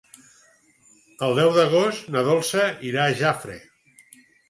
El deu d'agost na Dolça irà a Jafre.